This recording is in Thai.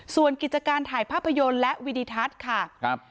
ส่วนกิจการถ่ายภาพยนตร์และวิดิทัศน์ค่ะครับ